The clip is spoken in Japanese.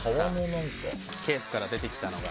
ケースから出てきたのが。